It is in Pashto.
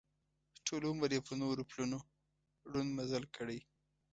ټول عمر یې پر نورو پلونو ړوند مزل کړی.